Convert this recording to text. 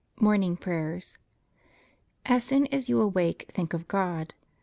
MORNING PRAYERS As soon as you awake, think of God.